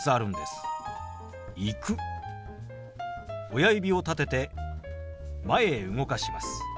親指を立てて前へ動かします。